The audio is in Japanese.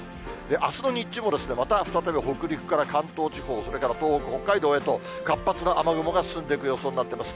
あすの日中も、また再び北陸から関東地方、それから東北、北海道へと、活発な雨雲が進んでいく予想になってます。